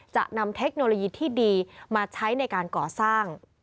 จะนำเทคโนโลยีที่ดีมาใช้ในการก่อสร้าง